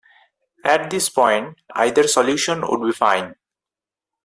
At this point, either solution would be fine.